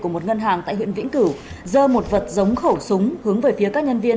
của một ngân hàng tại huyện vĩnh cửu dơ một vật giống khẩu súng hướng về phía các nhân viên